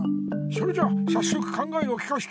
それじゃあさっそく考えを聞かせてもらおうか。